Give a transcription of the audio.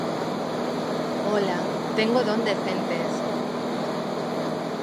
Su cabecera era Alto Río Mayo.